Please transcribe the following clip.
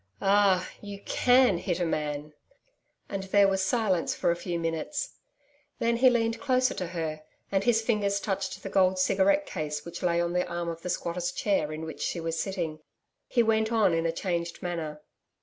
'Ah! You CAN hit a man!' and there was silence for a few minutes. Then he leaned closer to her, and his fingers touched the gold cigarette case which lay on the arm of the squatter's chair in which she was sitting. He went on in a changed manner.